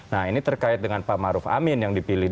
nah ini terkait dengan pak maruf amin yang dipilih